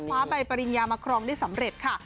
ใบปริญญามาครองได้สำเร็จค่ะ